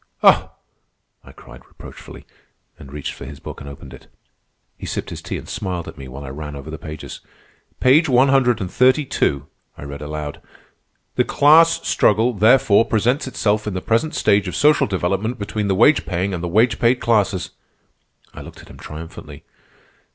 "Oh!" I cried reproachfully, and reached for his book and opened it. He sipped his tea and smiled at me while I ran over the pages. "Page one hundred and thirty two," I read aloud: "'The class struggle, therefore, presents itself in the present stage of social development between the wage paying and the wage paid classes.'" I looked at him triumphantly.